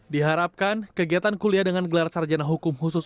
diharapkan kegiatan kuliah dengan gelar sarjana hukum khusus